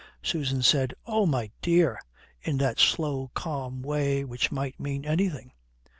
Susan said, "Oh, my dear," in that slow, calm way which might mean anything.